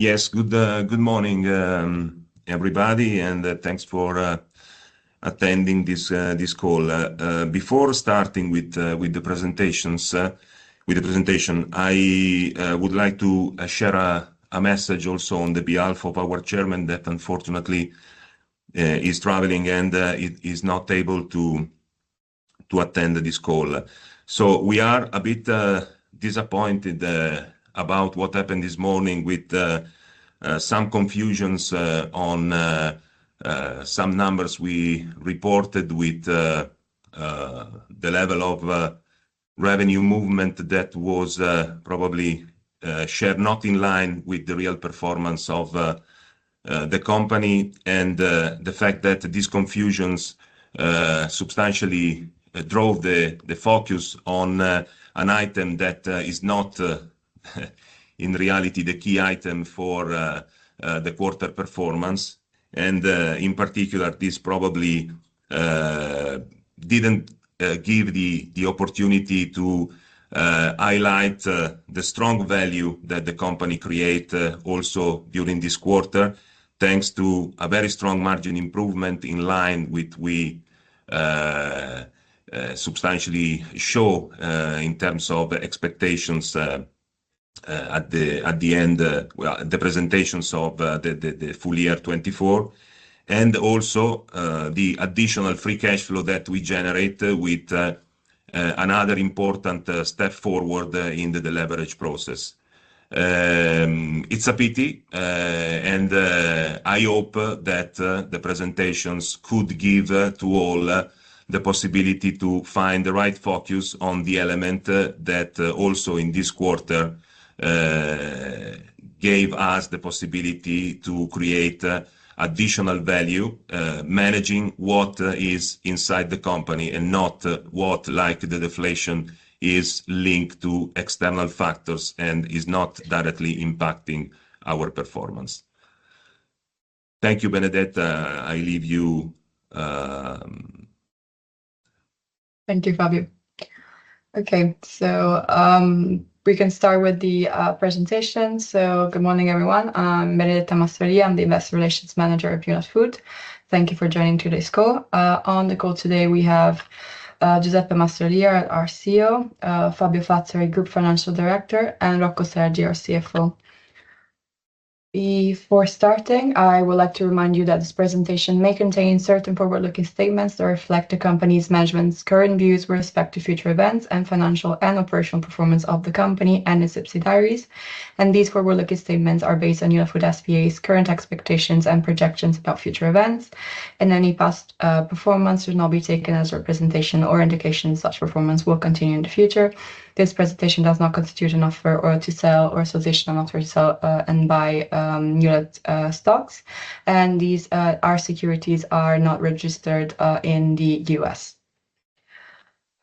Yes, good, good morning, everybody, and thanks for attending this call. Before starting with the presentation, I would like to share a message also on behalf of our Chairman that unfortunately is traveling and is not able to attend this call. We are a bit disappointed about what happened this morning with some confusions on some numbers we reported with the level of revenue movement that was probably shared not in line with the real performance of the company. The fact that these confusions substantially drove the focus on an item that is not in reality the key item for the quarter performance. In particular, this probably did not give the opportunity to highlight the strong value that the company created also during this quarter, thanks to a very strong margin improvement in line with what we substantially show in terms of expectations at the end of the presentations of the full year 2024. Also, the additional free cash flow that we generate with another important step forward in the leverage process. It is a pity, and I hope that the presentations could give to all the possibility to find the right focus on the element that also in this quarter gave us the possibility to create additional value, managing what is inside the company and not what, like the deflation, is linked to external factors and is not directly impacting our performance. Thank you, Benedetta. I leave you, Thank you, Fabio. Okay, we can start with the presentation. Good morning, everyone. I'm Benedetta Mastrolia. I'm the Investor Relations Manager at NewPrinces S.p.A. Thank you for joining today's call. On the call today, we have Giuseppe Mastrolia, our CEO, Fabio Fazzari, Group Financial Director, and Rocco Sergi, our CFO. Before starting, I would like to remind you that this presentation may contain certain forward-looking statements that reflect the company's management's current views with respect to future events and financial and operational performance of the company and its subsidiaries. These forward-looking statements are based on NewPrinces S.p.A.'s current expectations and projections about future events. Any past performance should not be taken as representation or indication such performance will continue in the future. This presentation does not constitute an offer to sell or a solicitation of an offer to sell and buy NewPrinces S.p.A. stocks. Our securities are not registered in the U.S.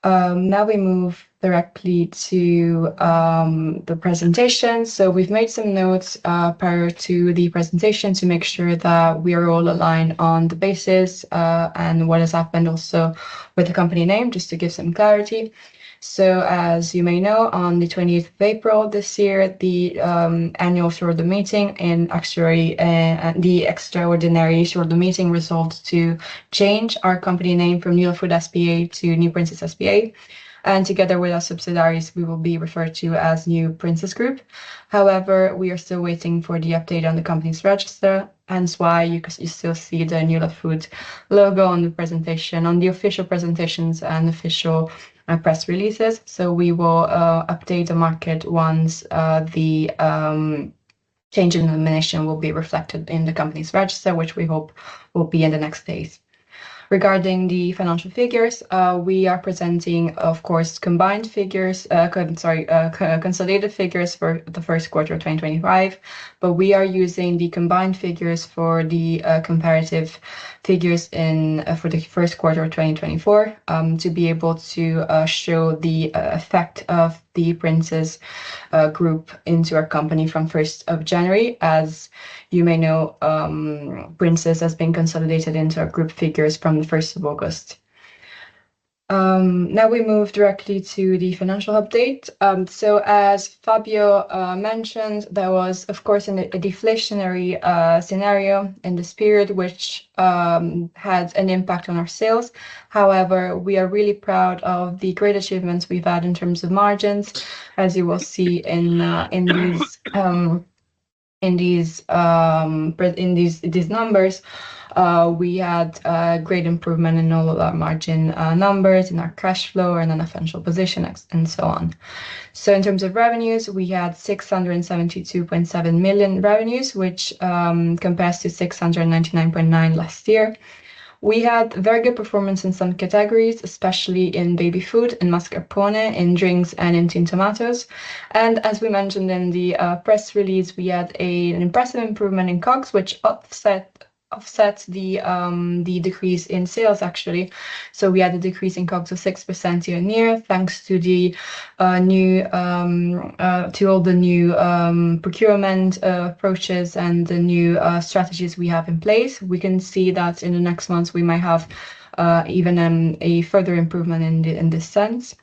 Now we move directly to the presentation. We have made some notes prior to the presentation to make sure that we are all aligned on the basis and what has happened also with the company name, just to give some clarity. As you may know, on the 28th of April this year, the annual shareholder meeting in actuary, the extraordinary shareholder meeting resolved to change our company name from NewFood S.p.A. to NewPrinces S.p.A. Together with our subsidiaries, we will be referred to as NewPrinces Group. However, we are still waiting for the update on the company's register, which is why you still see the Newlat Food logo on the presentation, on the official presentations and official press releases. We will update the market once the change in the nomination is reflected in the company's register, which we hope will be in the next days. Regarding the financial figures, we are presenting, of course, consolidated figures for the first quarter of 2025, but we are using the combined figures for the comparative figures for the first quarter of 2024, to be able to show the effect of the Princes Group into our company from 1st of January. As you may know, Princes has been consolidated into our group figures from the 1st of August. Now we move directly to the financial update. As Fabio mentioned, there was, of course, a deflationary scenario in the spirit, which had an impact on our sales. However, we are really proud of the great achievements we've had in terms of margins. As you will see in these numbers, we had great improvement in all of our margin numbers, in our cash flow, and in our financial position, and so on. In terms of revenues, we had 672.7 million revenues, which compares to 699.9 million last year. We had very good performance in some categories, especially in baby food, in mascarpone, in drinks, and in tinned tomatoes. As we mentioned in the press release, we had an impressive improvement in COGS, which offset the decrease in sales, actually. We had a decrease in COGS of 6% yea-on-year, thanks to the new, to all the new procurement approaches and the new strategies we have in place. We can see that in the next months, we might have even a further improvement in this sense.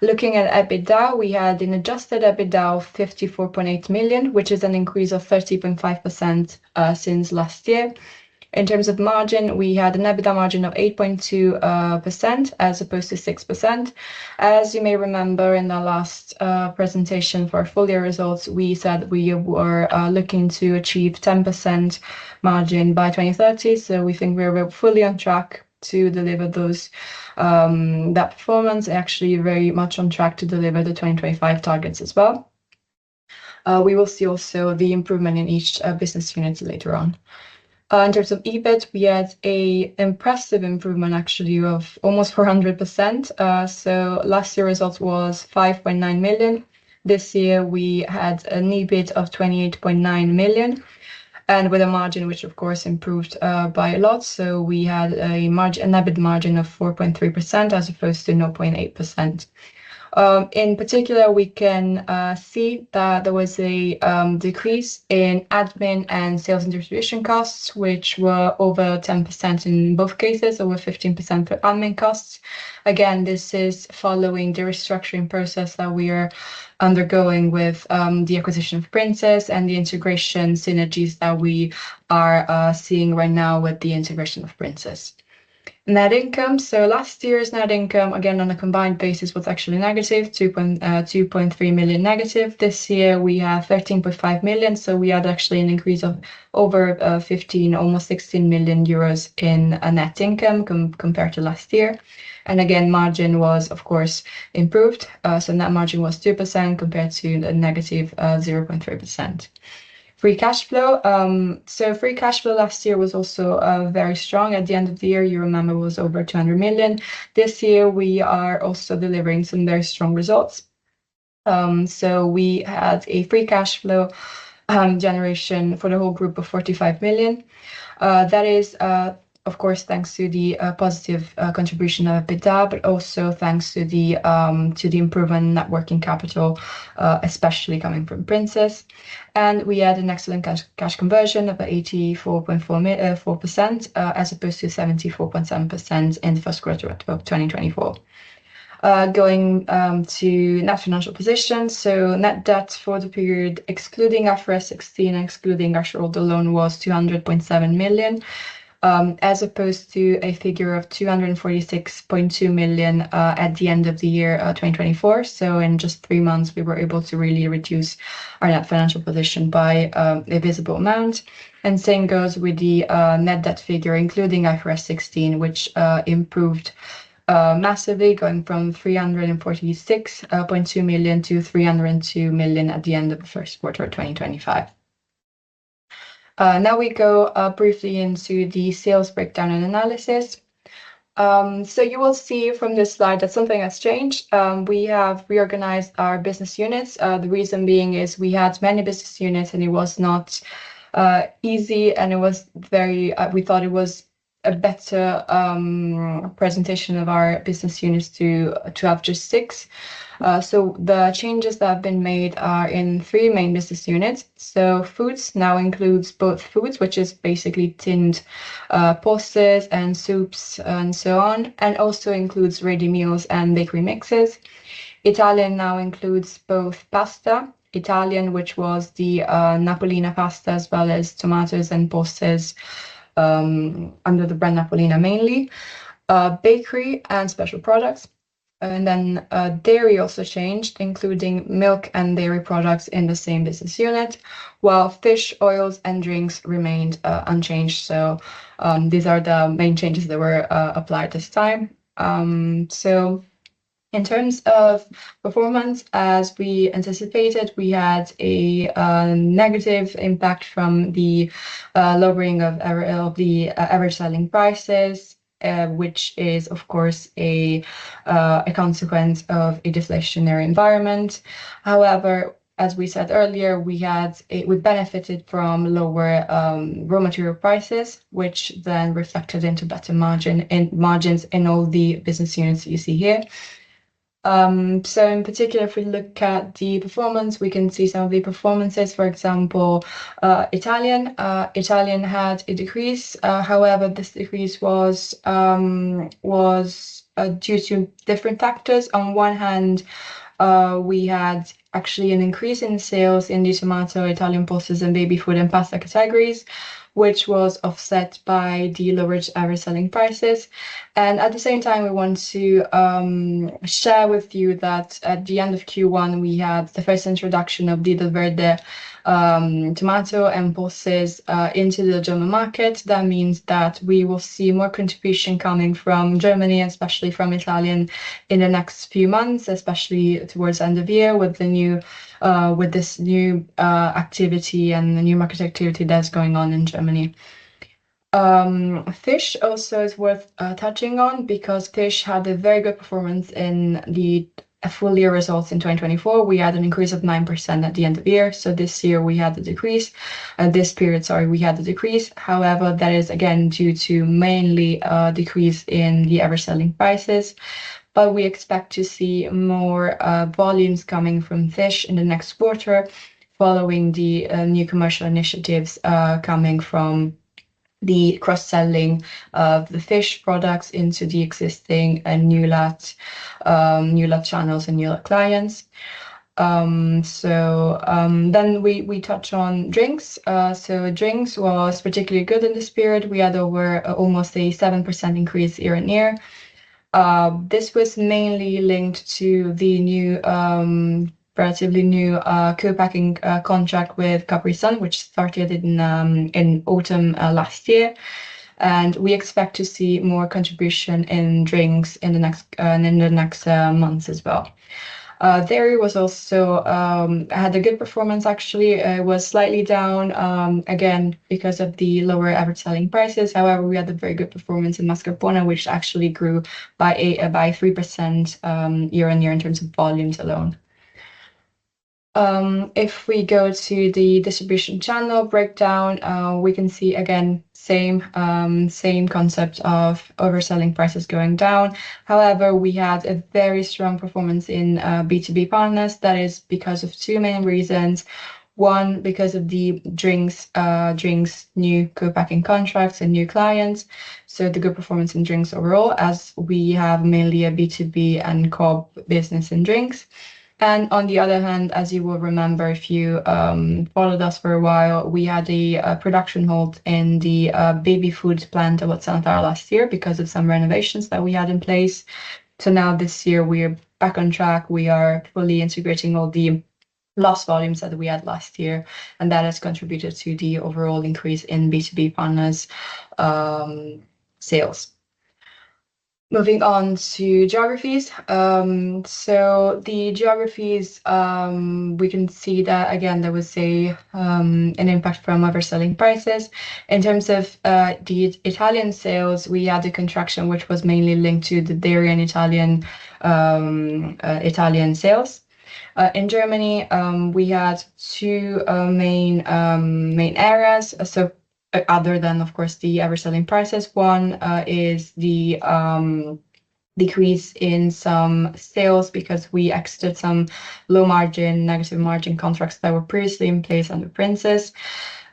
Looking at EBITDA, we had an adjusted EBITDA of 54.8 million, which is an increase of 30.5% since last year. In terms of margin, we had an EBITDA margin of 8.2% as opposed to 6%. As you may remember, in the last presentation for our full year results, we said we were looking to achieve a 10% margin by 2030. We think we are fully on track to deliver that performance, actually very much on track to deliver the 2025 targets as well. We will see also the improvement in each business unit later on. In terms of EBIT, we had an impressive improvement, actually, of almost 400%. Last year's result was 5.9 million. This year we had an EBIT of 28.9 million, and with a margin which, of course, improved by a lot. We had a margin, an EBIT margin of 4.3% as opposed to 0.8%. In particular, we can see that there was a decrease in admin and sales and distribution costs, which were over 10% in both cases, over 15% for admin costs. Again, this is following the restructuring process that we are undergoing with the acquisition of Princes and the integration synergies that we are seeing right now with the integration of Princes. Net income, so last year's net income, again, on a combined basis was actually negative, 2.3 million negative. This year we have 13.5 million. We had actually an increase of over 15, almost 16 million euros in net income compared to last year. Margin was, of course, improved. Net margin was 2% compared to the negative 0.3%. Free cash flow, so free cash flow last year was also very strong. At the end of the year, you remember, was over 200 million. This year we are also delivering some very strong results. We had a free cash flow generation for the whole group of 45 million. That is, of course, thanks to the positive contribution of EBITDA, but also thanks to the improvement in net working capital, especially coming from Princes. We had an excellent cash conversion of 84.4%, as opposed to 74.7% in the first quarter of 2024. Going to net financial position, so net debt for the period, excluding FRS 16, excluding actually the loan, was 200.7 million, as opposed to a figure of 246.2 million at the end of the year 2024. In just three months, we were able to really reduce our net financial position by a visible amount. The same goes with the net debt figure, including FRS 16, which improved massively, going from 346.2 million to 302 million at the end of the first quarter of 2025. Now we go briefly into the sales breakdown and analysis. You will see from this slide that something has changed. We have reorganized our business units. The reason being is we had many business units and it was not easy and we thought it was a better presentation of our business units to have just six. The changes that have been made are in three main business units. Foods now includes both foods, which is basically tinned, posts and soups and so on, and also includes ready meals and bakery mixes. Italian now includes both pasta, Italian, which was the Napolina pasta, as well as tomatoes and pulses, under the brand Napolina mainly, bakery and special products. Then, dairy also changed, including milk and dairy products in the same business unit, while fish oils and drinks remained unchanged. These are the main changes that were applied this time. In terms of performance, as we anticipated, we had a negative impact from the lowering of our average selling prices, which is, of course, a consequence of a deflationary environment. However, as we said earlier, we benefited from lower raw material prices, which then reflected into better margin and margins in all the business units you see here. In particular, if we look at the performance, we can see some of the performances. For example, Italian, Italian had a decrease. However, this decrease was due to different factors. On one hand, we had actually an increase in sales in these amounts of Italian posts and baby food and pasta categories, which was offset by the lowered average selling prices. At the same time, we want to share with you that at the end of Q1, we had the first introduction of the Diverde, tomato and pulses, into the German market. That means that we will see more contribution coming from Germany, especially from Italian, in the next few months, especially towards the end of year with this new activity and the new market activity that's going on in Germany. Fish also is worth touching on because fish had a very good performance in the full year results in 2024. We had an increase of 9% at the end of the year. This year we had a decrease at this period. Sorry, we had a decrease. However, that is again due to mainly a decrease in the average selling prices. We expect to see more volumes coming from fish in the next quarter following the new commercial initiatives coming from the cross-selling of the fish products into the existing Newlat channels and Newlat clients. We touch on drinks. Drinks was particularly good in the spirit. We had almost a 7% increase year-on-year. This was mainly linked to the new, relatively new, co-packing contract with Capri Sun, which started in autumn last year. We expect to see more contribution in drinks in the next months as well. Dairy also had a good performance actually. It was slightly down, again because of the lower average selling prices. However, we had a very good performance in mascarpone, which actually grew by 3% year-on-year in terms of volumes alone. If we go to the distribution channel breakdown, we can see again the same concept of average selling prices going down. However, we had a very strong performance in B2B partners. That is because of two main reasons. One, because of the drinks new co-packing contracts and new clients. The good performance in drinks overall, as we have mainly a B2B and COB business in drinks. On the other hand, as you will remember, if you followed us for a while, we had a production hold in the baby food plant at Sant'Anna last year because of some renovations that we had in place. Now this year we are back on track. We are fully integrating all the lost volumes that we had last year, and that has contributed to the overall increase in B2B partners, sales. Moving on to geographies. The geographies, we can see that again there was an impact from overselling prices. In terms of the Italian sales, we had the contraction, which was mainly linked to the dairy and Italian sales. In Germany, we had two main areas. Other than, of course, the overselling prices, one is the decrease in some sales because we exited some low margin, negative margin contracts that were previously in place under Princes.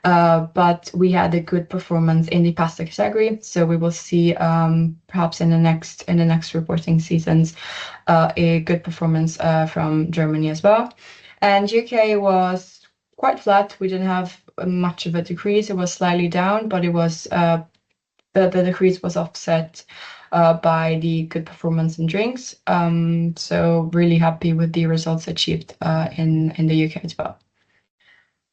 We had a good performance in the pasta category. We will see, perhaps in the next reporting seasons, a good performance from Germany as well. The U.K. was quite flat. We did not have much of a decrease. It was slightly down, but the decrease was offset by the good performance in drinks. Really happy with the results achieved in the U.K. as well.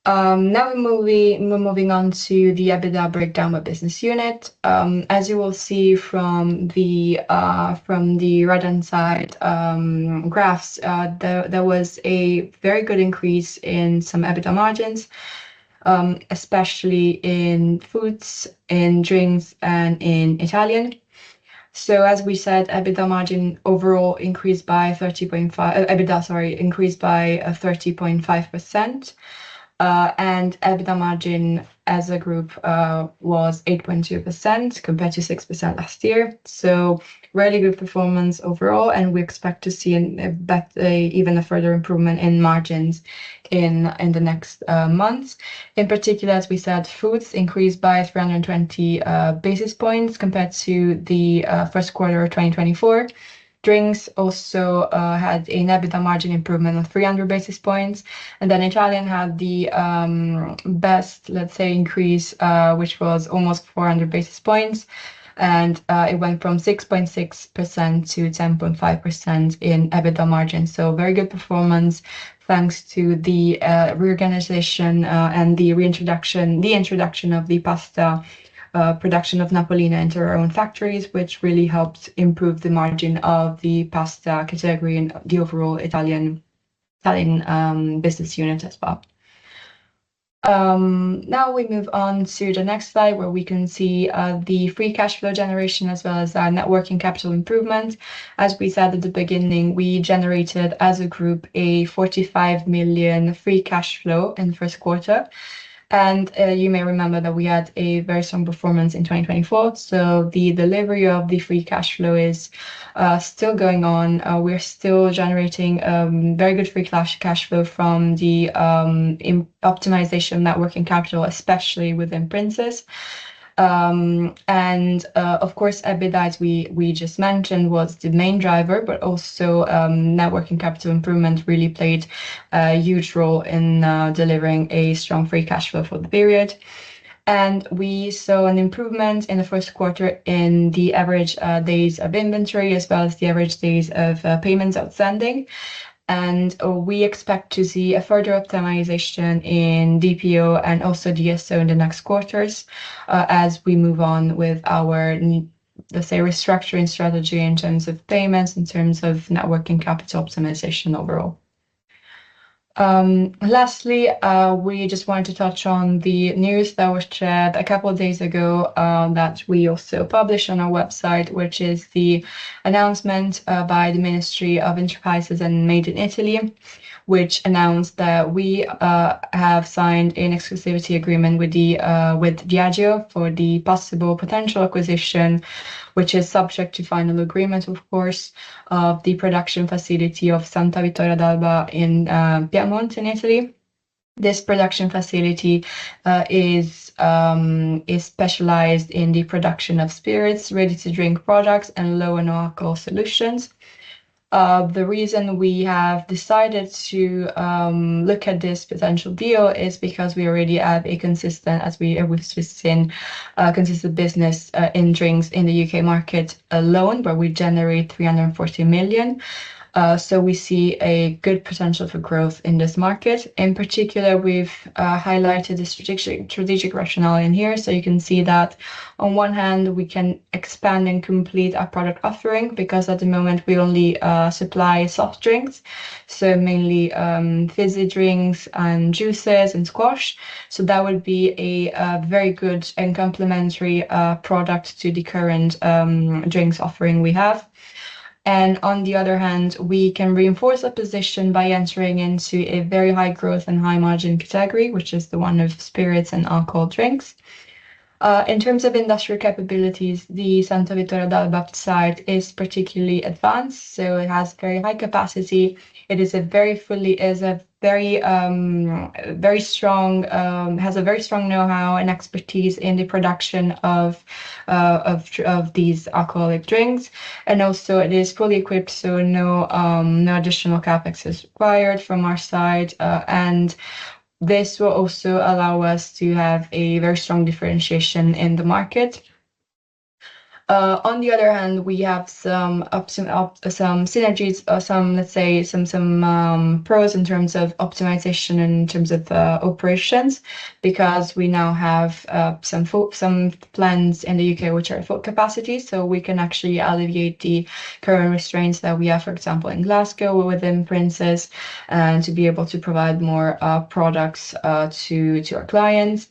Now we are moving on to the EBITDA breakdown by business unit. As you will see from the right-hand side graphs, there was a very good increase in some EBITDA margins, especially in foods and drinks and in Italian. As we said, EBITDA overall increased by 30.5%. EBITDA margin as a group was 8.2% compared to 6% last year. Really good performance overall. We expect to see even a further improvement in margins in the next months. In particular, as we said, foods increased by 320 basis points compared to the first quarter of 2024. Drinks also had an EBITDA margin improvement of 300 basis points. Italian had the best, let's say, increase, which was almost 400 basis points. It went from 6.6% to 10.5% in EBITDA margin. Very good performance thanks to the reorganization and the reintroduction, the introduction of the pasta production of Napolina into our own factories, which really helped improve the margin of the pasta category and the overall Italian business unit as well. Now we move on to the next slide where we can see the free cash flow generation as well as our net working capital improvement. As we said at the beginning, we generated as a group a 45 million free cash flow in the first quarter. You may remember that we had a very strong performance in 2024. The delivery of the free cash flow is still going on. We're still generating very good free cash flow from the optimization in working capital, especially within Princes. Of course, EBITDA, as we just mentioned, was the main driver, but also working capital improvement really played a huge role in delivering a strong free cash flow for the period. We saw an improvement in the first quarter in the average days of inventory as well as the average days of payments outstanding. We expect to see a further optimization in DPO and also DSO in the next quarters as we move on with our, let's say, restructuring strategy in terms of payments, in terms of working capital optimization overall. Lastly, we just wanted to touch on the news that was shared a couple of days ago, that we also published on our website, which is the announcement by the Ministry of Enterprises and Made in Italy, which announced that we have signed an exclusivity agreement with Diageo for the possible potential acquisition, which is subject to final agreement, of course, of the production facility of Santa Vittoria d'Alba in Piedmont in Italy. This production facility is specialized in the production of spirits, ready to drink products, and low and alcohol solutions. The reason we have decided to look at this potential deal is because we already have a consistent, as we within a consistent business, in drinks in the U.K. market alone, where we generate 340 million. We see a good potential for growth in this market. In particular, we have highlighted the strategic rationale in here. You can see that on one hand, we can expand and complete our product offering because at the moment we only supply soft drinks, mainly fizzy drinks and juices and squash. That would be a very good and complementary product to the current drinks offering we have. On the other hand, we can reinforce the position by entering into a very high growth and high margin category, which is the one of spirits and alcohol drinks. In terms of industrial capabilities, the Santa Vittoria d'Alba site is particularly advanced. It has very high capacity. It has very strong know-how and expertise in the production of these alcoholic drinks. Also, it is fully equipped. No additional CapEx is required from our side. This will also allow us to have a very strong differentiation in the market. On the other hand, we have some synergies, some, let's say, some pros in terms of optimization and in terms of operations because we now have some plants in the U.K. which are full capacity. We can actually alleviate the current restraints that we have, for example, in Glasgow within Princes and be able to provide more products to our clients.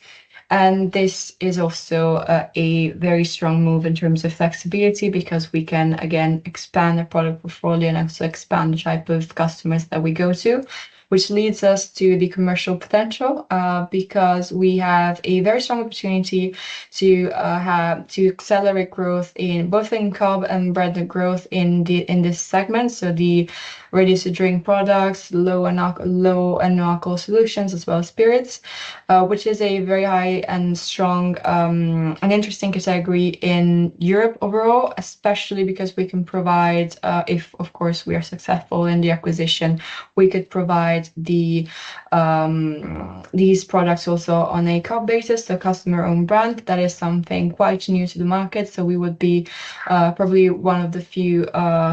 This is also a very strong move in terms of flexibility because we can again expand the product portfolio and also expand the type of customers that we go to, which leads us to the commercial potential, because we have a very strong opportunity to accelerate growth in both in COGS and broaden the growth in this segment. The ready-to-drink products, low and low and alcohol solutions as well as spirits, which is a very high and strong, an interesting category in Europe overall, especially because we can provide, if of course we are successful in the acquisition, we could provide these products also on a COB basis, the customer-owned brand. That is something quite new to the market. We would be probably one of the few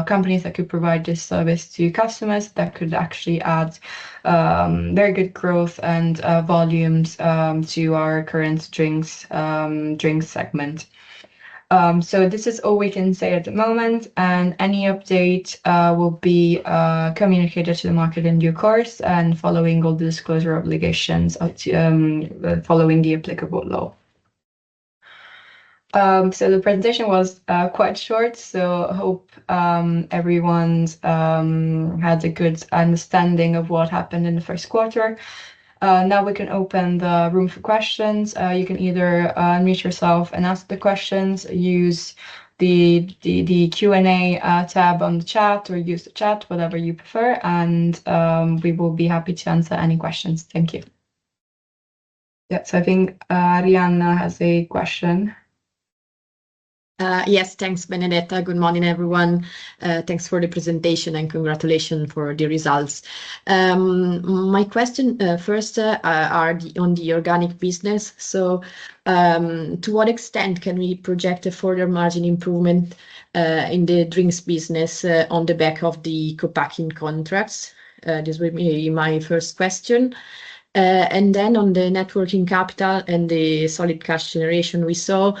companies that could provide this service to customers that could actually add very good growth and volumes to our current drinks segment. This is all we can say at the moment and any update will be communicated to the market in due course and following all the disclosure obligations of following the applicable law. The presentation was quite short. I hope everyone had a good understanding of what happened in the first quarter. Now we can open the room for questions. You can either unmute yourself and ask the questions, use the Q&A tab on the chat, or use the chat, whatever you prefer. We will be happy to answer any questions. Thank you. Yeah, I think Arianna has a question. Yes. Thanks, Benedetta. Good morning, everyone. Thanks for the presentation and congratulations for the results. My question, first, is on the organic business. To what extent can we project a further margin improvement in the drinks business on the back of the co-packing contracts? This will be my first question. On the working capital and the solid cash generation we saw,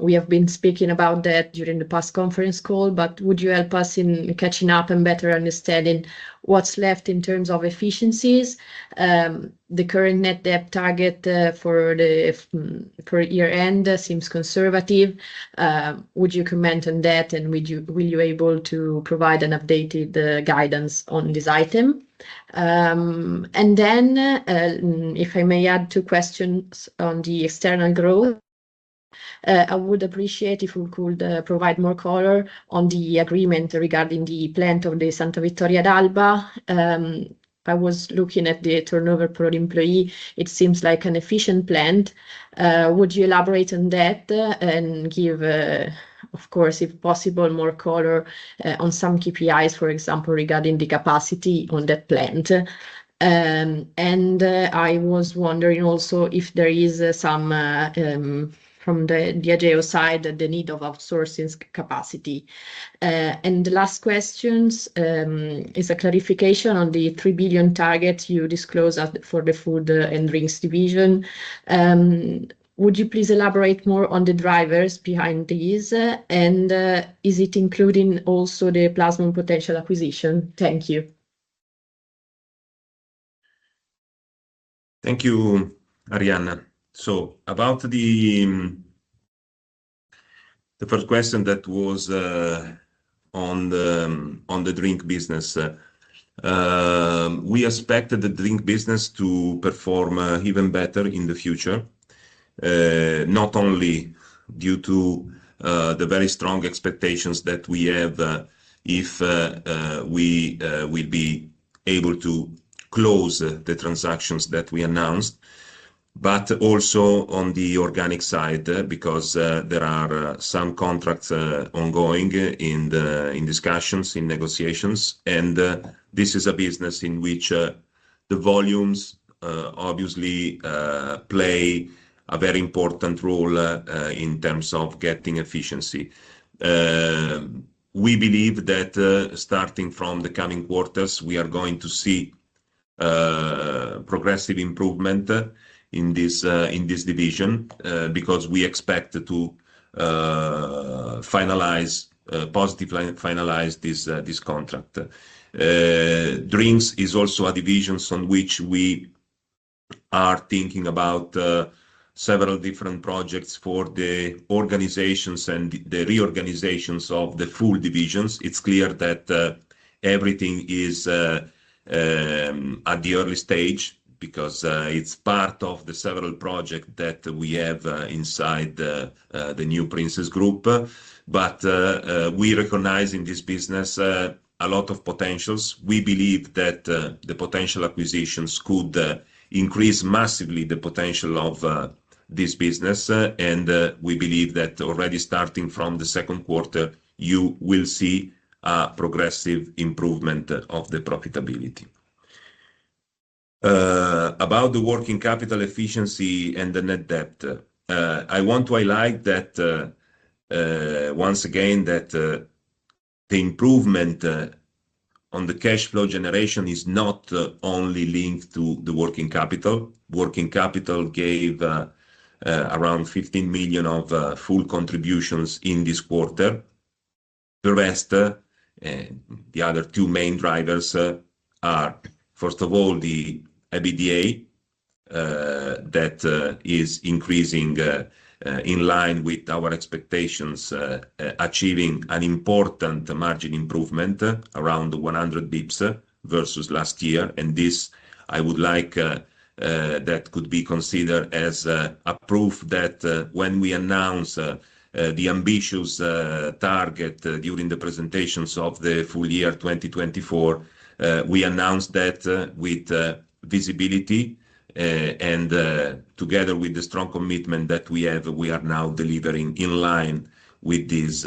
we have been speaking about that during the past conference call, but would you help us in catching up and better understanding what's left in terms of efficiencies? The current net debt target for year end seems conservative. Would you comment on that and would you be able to provide an updated guidance on this item? If I may add two questions on the external growth, I would appreciate if we could provide more color on the agreement regarding the plant of Santa Vittoria d'Alba. I was looking at the turnover per employee. It seems like an efficient plant. Would you elaborate on that and give, of course, if possible, more color on some KPIs, for example, regarding the capacity on that plant? I was wondering also if there is some, from the Diageo side, the need of outsourcing capacity. The last question is a clarification on the 3 billion target you disclosed for the food and drinks division. Would you please elaborate more on the drivers behind these? Is it including also the plasma potential acquisition? Thank you. Thank you, Arianna. About the first question that was on the drink business, we expected the drink business to perform even better in the future, not only due to the very strong expectations that we have if we will be able to close the transactions that we announced, but also on the organic side because there are some contracts ongoing in discussions, in negotiations. This is a business in which the volumes obviously play a very important role in terms of getting efficiency. We believe that, starting from the coming quarters, we are going to see progressive improvement in this division, because we expect to finalize, positively finalize this contract. Drinks is also a division on which we are thinking about several different projects for the organizations and the reorganizations of the full divisions. It is clear that everything is at the early stage because it is part of the several projects that we have inside the NewPrinces Group. We recognize in this business a lot of potential. We believe that the potential acquisitions could increase massively the potential of this business. We believe that already starting from the second quarter, you will see a progressive improvement of the profitability. About the working capital efficiency and the net debt, I want to highlight once again that the improvement on the cash flow generation is not only linked to the working capital. Working capital gave around 15 million of full contributions in this quarter. The rest, the other two main drivers, are first of all the EBITDA, that is increasing in line with our expectations, achieving an important margin improvement around 100 basis points versus last year. This, I would like, could be considered as a proof that when we announce the ambitious target during the presentations of the full year 2024, we announced that with visibility, and together with the strong commitment that we have, we are now delivering in line with this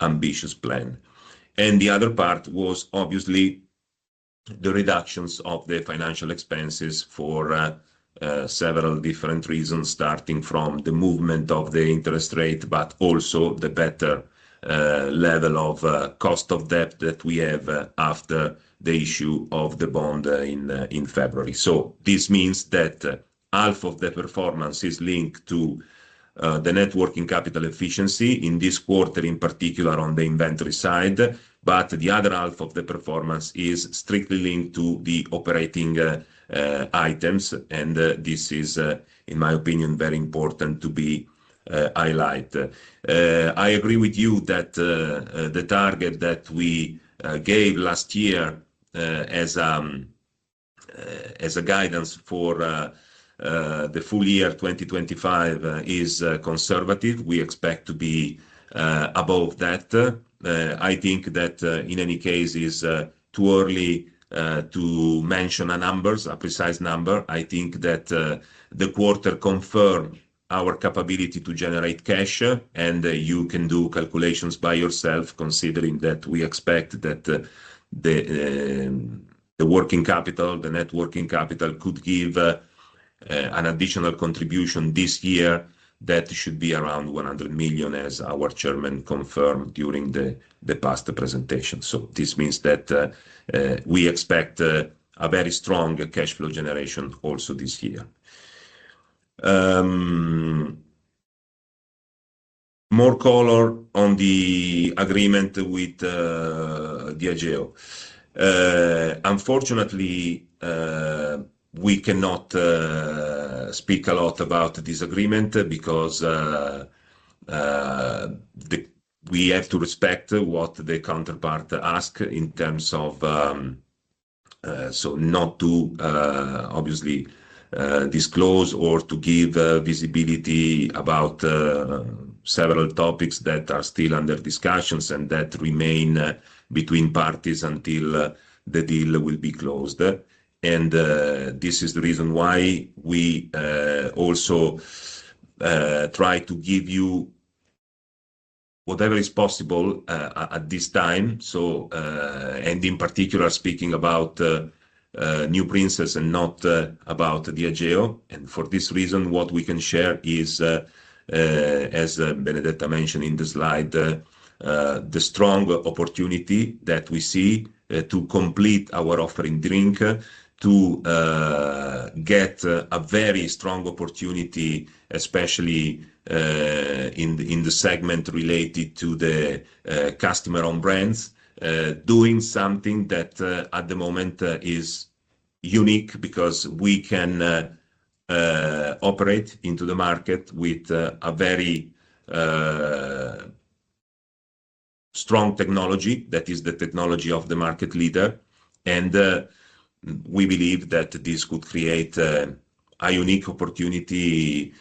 ambitious plan. The other part was obviously the reductions of the financial expenses for several different reasons, starting from the movement of the interest rate, but also the better level of cost of debt that we have after the issue of the bond in February. This means that half of the performance is linked to the networking capital efficiency in this quarter, in particular on the inventory side. The other half of the performance is strictly linked to the operating items. This is, in my opinion, very important to be highlighted. I agree with you that the target that we gave last year as a guidance for the full year 2025 is conservative. We expect to be above that. I think that, in any case, it is too early to mention a number, a precise number. I think that the quarter confirmed our capability to generate cash, and you can do calculations by yourself, considering that we expect that the working capital, the networking capital could give an additional contribution this year that should be around 100 million, as our Chairman confirmed during the past presentation. This means that we expect a very strong cash flow generation also this year. More color on the agreement with Diageo. Unfortunately, we cannot speak a lot about this agreement because we have to respect what the counterpart asks in terms of not to, obviously, disclose or to give visibility about several topics that are still under discussions and that remain between parties until the deal will be closed. This is the reason why we also try to give you whatever is possible at this time. In particular, speaking about NewPrinces and not about Diageo. For this reason, what we can share is, as Benedetta mentioned in the slide, the strong opportunity that we see to complete our offering in drinks, to get a very strong opportunity, especially in the segment related to the customer-owned brands, doing something that at the moment is unique because we can operate into the market with a very strong technology that is the technology of the market leader. We believe that this could create a unique opportunity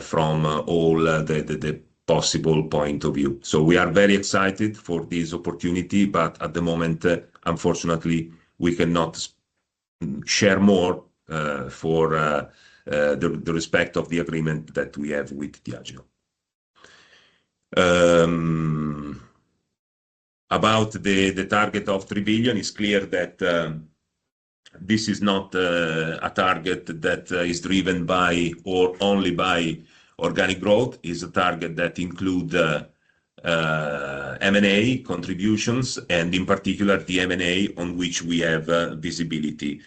from all the possible points of view. We are very excited for this opportunity, but at the moment, unfortunately, we cannot share more, for the respect of the agreement that we have with Diageo. About the, the target of 3 billion, it's clear that this is not a target that is driven by or only by organic growth. It's a target that includes M&A contributions and in particular the M&A on which we have visibility.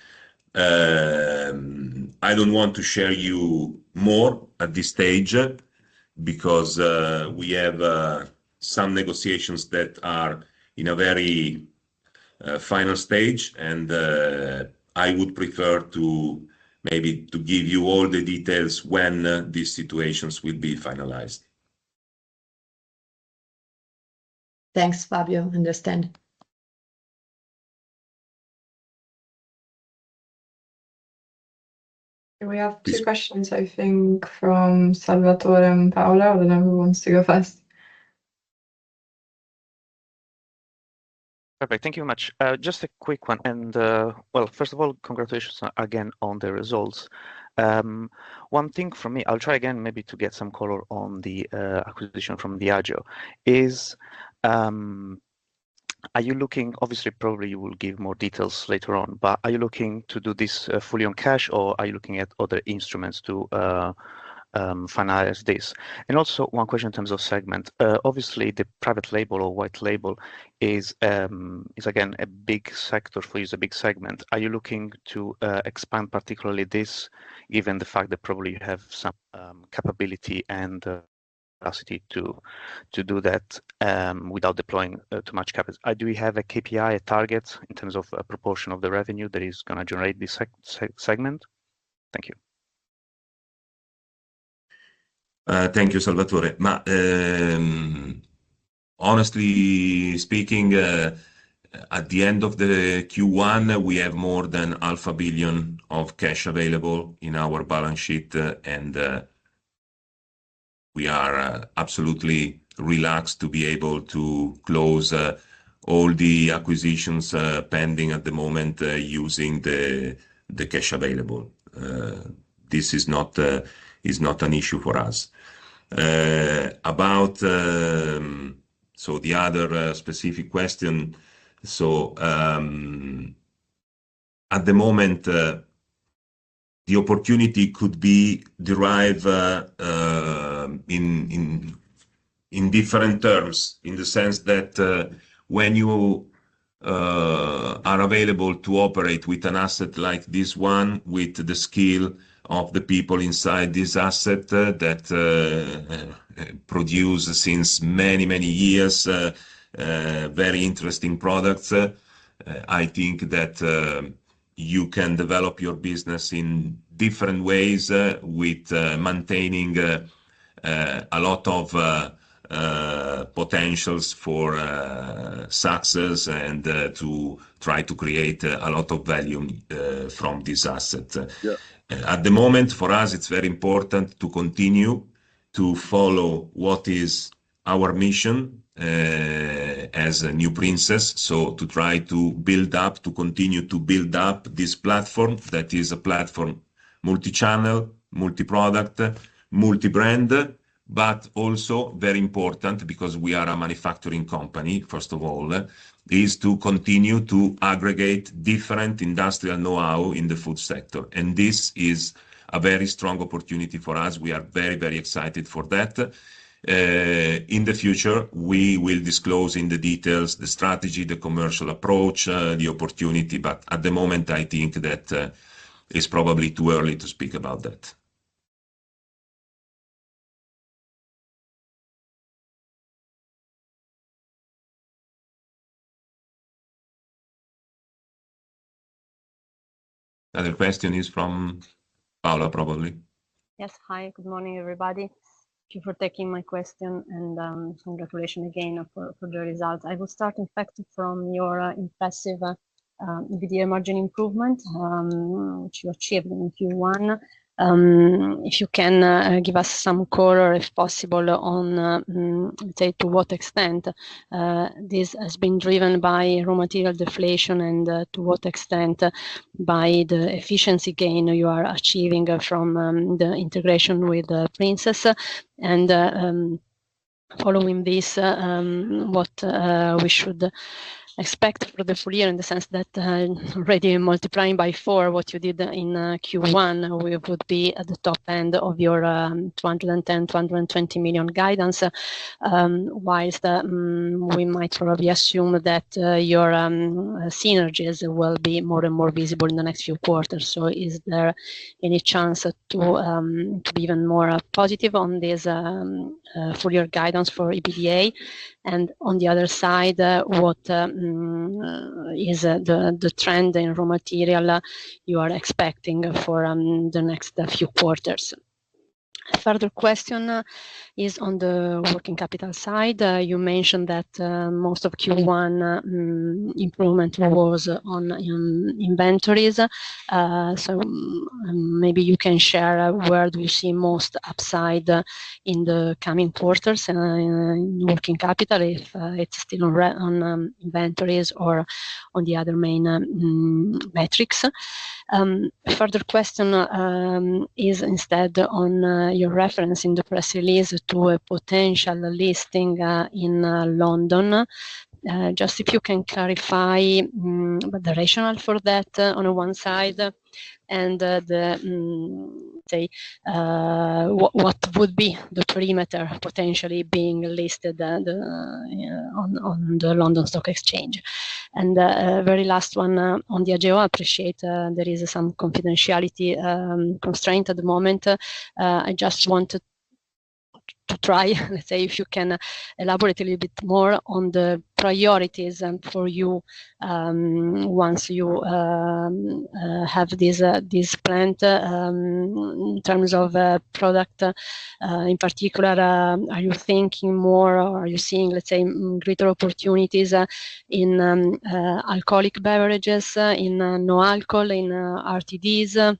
I don't want to share you more at this stage because we have some negotiations that are in a very final stage. I would prefer to maybe to give you all the details when these situations will be finalized. Thanks, Fabio. I understand. We have two questions, I think, from Salvatore and Paola. I don't know who wants to go first. Perfect. Thank you very much. Just a quick one. First of all, congratulations again on the results. One thing for me, I'll try again maybe to get some color on the acquisition from Diageo. Are you looking, obviously, probably you will give more details later on, but are you looking to do this fully on cash or are you looking at other instruments to finalize this? Also, one question in terms of segment, obviously the private label or white label is again a big sector for you, is a big segment. Are you looking to expand particularly this given the fact that probably you have some capability and capacity to do that without deploying too much capital? Do we have a KPI, a target in terms of a proportion of the revenue that is going to generate this segment? Thank you. Thank you, Salvatore. Honestly speaking, at the end of the Q1, we have more than 500,000,000 of cash available in our balance sheet. We are absolutely relaxed to be able to close all the acquisitions pending at the moment using the cash available. This is not an issue for us. About the other specific question, at the moment, the opportunity could be derived in different terms in the sense that, when you are available to operate with an asset like this one with the skill of the people inside this asset that produced, since many, many years, very interesting products, I think that you can develop your business in different ways, maintaining a lot of potential for success and to try to create a lot of value from this asset. Yeah. At the moment for us, it's very important to continue to follow what is our mission, as a NewPrinces. To try to build up, to continue to build up this platform that is a platform multi-channel, multi-product, multi-brand, but also very important because we are a manufacturing company. First of all, is to continue to aggregate different industrial know-how in the food sector. This is a very strong opportunity for us. We are very, very excited for that. In the future, we will disclose in the details the strategy, the commercial approach, the opportunity. At the moment, I think that it's probably too early to speak about that. Another question is from Paola, probably. Yes. Hi, good morning, everybody. Thank you for taking my question and congratulations again for the results. I will start, in fact, from your impressive EBITDA margin improvement, which you achieved in Q1. If you can give us some color, if possible, on to what extent this has been driven by raw material deflation and to what extent by the efficiency gain you are achieving from the integration with Princes. Following this, what we should expect for the full year in the sense that, already multiplying by four what you did in Q1, we would be at the top end of your 210-220 million guidance. Whilst we might probably assume that your synergies will be more and more visible in the next few quarters. Is there any chance to be even more positive on this, for your guidance for EBITDA? On the other side, what is the trend in raw material you are expecting for the next few quarters? Further question is on the working capital side. You mentioned that, most of Q1, improvement was on inventories. Maybe you can share where you see most upside in the coming quarters and in working capital, if it's still on inventories or on the other main metrics. Further question is instead on your reference in the press release to a potential listing in London. Just if you can clarify the rationale for that on one side and, say, what would be the perimeter potentially being listed on the London Stock Exchange. Very last one on Diageo, I appreciate there is some confidentiality constraint at the moment. I just wanted to try, let's say, if you can elaborate a little bit more on the priorities for you, once you have this planned, in terms of product, in particular, are you thinking more or are you seeing, let's say, greater opportunities in alcoholic beverages, in no alcohol, in RTDs?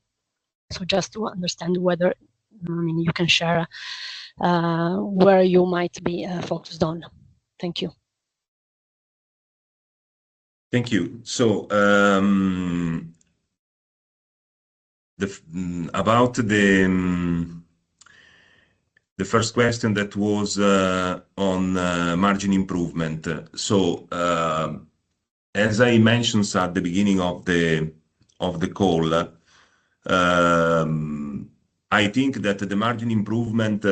Just to understand whether, I mean, you can share where you might be focused on. Thank you. Thank you. About the first question that was on margin improvement. As I mentioned at the beginning of the call, I think that the margin improvement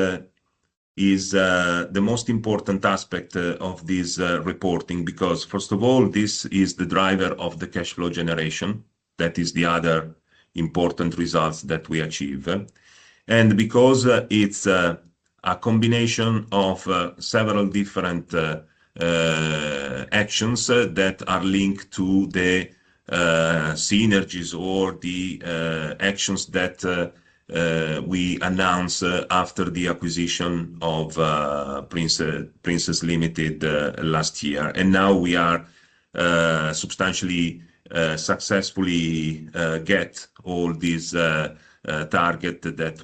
is the most important aspect of this reporting because first of all, this is the driver of the cash flow generation. That is the other important result that we achieve. It is a combination of several different actions that are linked to the synergies or the actions that we announced after the acquisition of Princes last year. We are substantially, successfully, getting all these targets that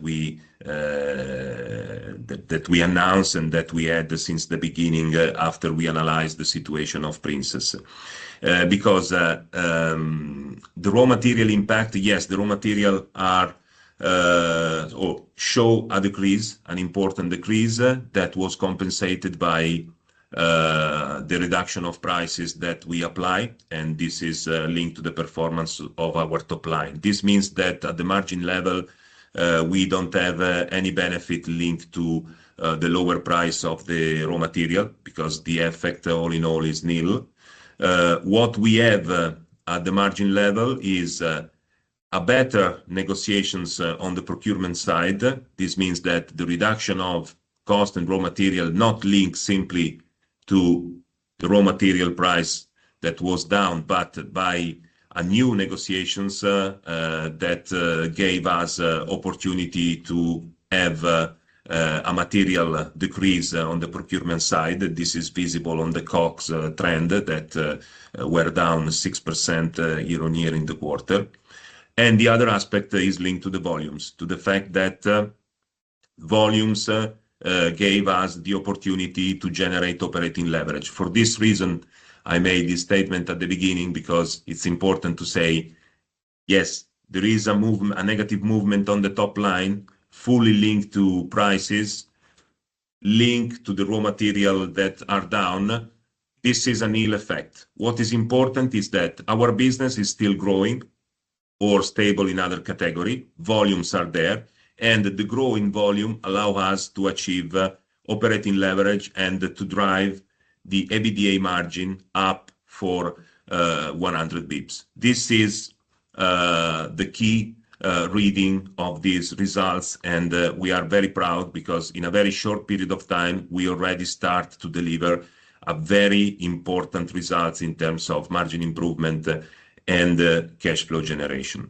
we announced and that we had since the beginning after we analyzed the situation of Princes. The raw material impact, yes, the raw materials show a decrease, an important decrease that was compensated by the reduction of prices that we apply. This is linked to the performance of our top line. This means that at the margin level, we do not have any benefit linked to the lower price of the raw material because the effect all in all is nil. What we have at the margin level is better negotiations on the procurement side. This means that the reduction of cost and raw material not linked simply to the raw material price that was down, but by new negotiations, that gave us opportunity to have a material decrease on the procurement side. This is visible on the COGS trend that were down 6% year-on-year in the quarter. The other aspect is linked to the volumes, to the fact that volumes gave us the opportunity to generate operating leverage. For this reason, I made this statement at the beginning because it is important to say, yes, there is a movement, a negative movement on the top line fully linked to prices linked to the raw material that are down. This is a nil effect. What is important is that our business is still growing or stable in other category. Volumes are there and the growing volume allow us to achieve operating leverage and to drive the EBITDA margin up for 100 basis points. This is the key reading of these results. We are very proud because in a very short period of time, we already start to deliver a very important result in terms of margin improvement and cash flow generation.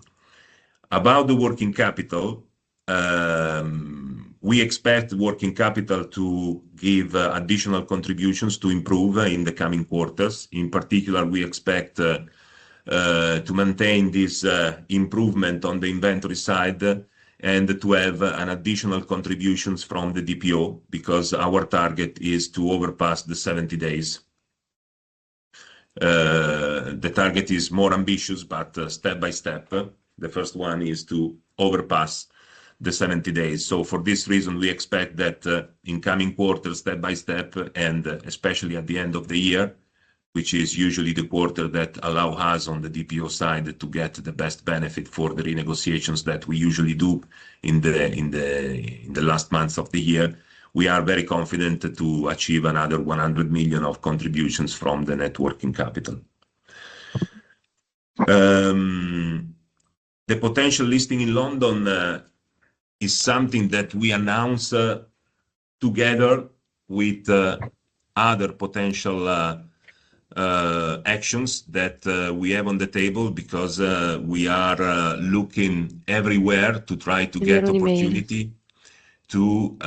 About the working capital, we expect working capital to give additional contributions to improve in the coming quarters. In particular, we expect to maintain this improvement on the inventory side and to have an additional contributions from the DPO because our target is to overpass the 70 days. The target is more ambitious, but step-by-step. The first one is to overpass the 70 days. For this reason, we expect that in coming quarters, step-by-step, and especially at the end of the year, which is usually the quarter that allows us on the DPO side to get the best benefit for the renegotiations that we usually do in the last months of the year, we are very confident to achieve another 100 million of contributions from the working capital. The potential listing in London is something that we announce, together with other potential actions that we have on the table because we are looking everywhere to try to get opportunity to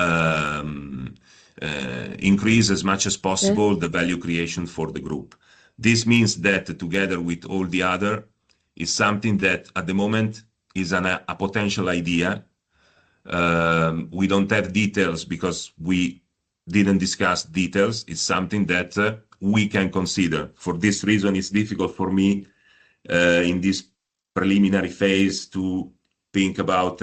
increase as much as possible the value creation for the group. This means that together with all the other, it's something that at the moment is a potential idea. We do not have details because we did not discuss details. It's something that we can consider. For this reason, it's difficult for me, in this preliminary phase, to think about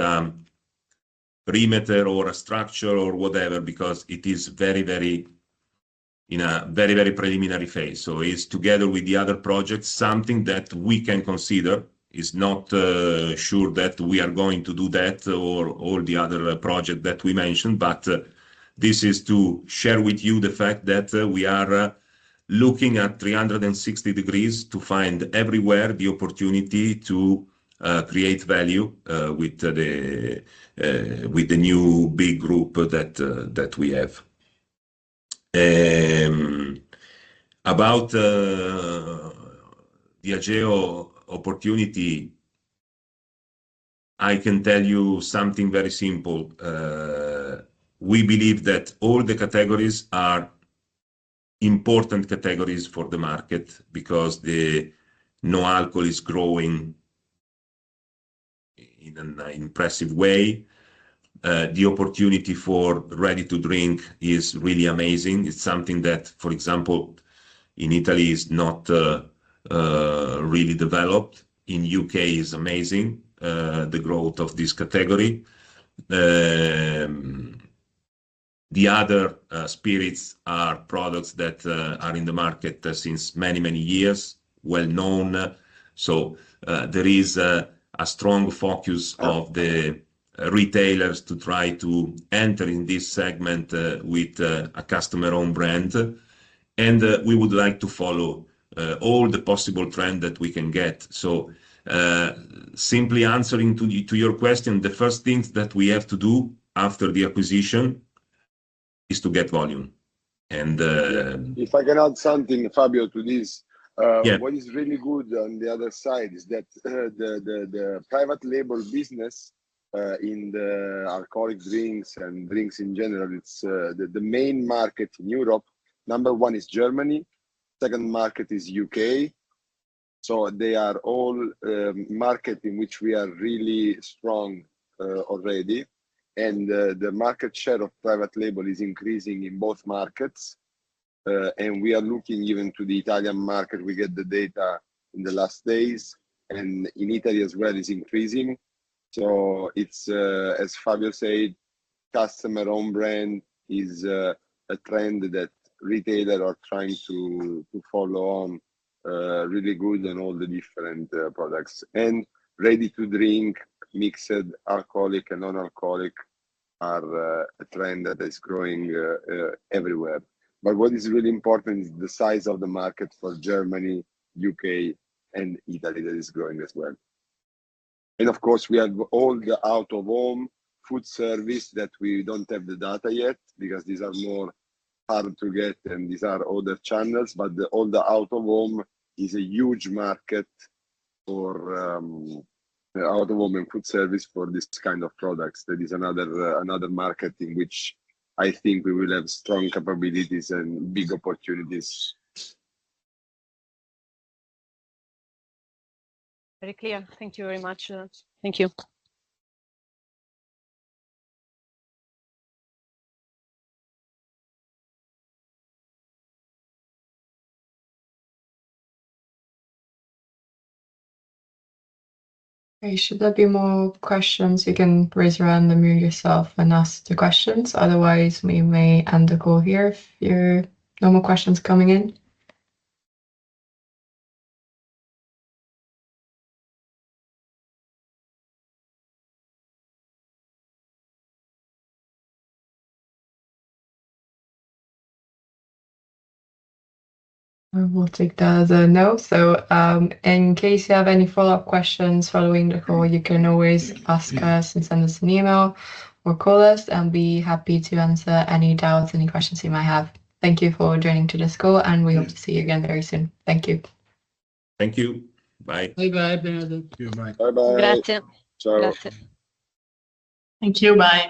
perimeter or a structure or whatever because it is in a very, very preliminary phase. It's together with the other projects, something that we can consider. It's not sure that we are going to do that or all the other projects that we mentioned, but this is to share with you the fact that we are looking at 360 degrees to find everywhere the opportunity to create value with the new big group that we have. About the Diageo opportunity, I can tell you something very simple. We believe that all the categories are important categories for the market because the no alcohol is growing in an impressive way. The opportunity for ready-to-drink is really amazing. It's something that, for example, in Italy is not really developed. In the U.K., it's amazing, the growth of this category. The other, spirits are products that are in the market since many, many years, well known. There is a strong focus of the retailers to try to enter in this segment with a customer-owned brand. We would like to follow all the possible trends that we can get. Simply answering to your question, the first thing that we have to do after the acquisition is to get volume. If I can add something, Fabio, to this, what is really good on the other side is that the private label business, in the alcoholic drinks and drinks in general, it's the main market in Europe. Number one is Germany. Second market is the U.K. They are all markets in which we are really strong already. The market share of private label is increasing in both markets. We are looking even to the Italian market. We got the data in the last days. In Italy as well, it is increasing. As Fabio said, customer-owned brand is a trend that retailers are trying to follow on, really good and all the different products. Ready-to-drink, mixed alcoholic and non-alcoholic, are a trend that is growing everywhere. What is really important is the size of the market for Germany, U.K., and Italy that is growing as well. Of course, we have all the out-of-home food service that we do not have the data yet because these are more hard to get and these are other channels. All the out-of-home is a huge market for out-of-home and food service for this kind of products. That is another market in which I think we will have strong capabilities and big opportunities. Very clear. Thank you very much. Thank you. Okay. Should there be more questions, you can raise your hand, unmute yourself, and ask the questions. Otherwise, we may end the call here if you have no more questions coming in. In case you have any follow-up questions following the call, you can always ask us and send us an email or call us, and we will be happy to answer any doubts, any questions you might have. Thank you for joining today's call, and we hope to see you again very soon. Thank you. Thank you. Bye. Bye-bye. Bye-bye. Bye-bye. Bye-bye. Thank you. Bye.